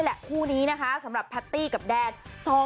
นี่แหละคู่นี้นะคะสำหรับพาตตี้กับแดน